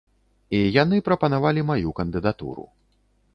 І яны прапанавалі маю кандыдатуру.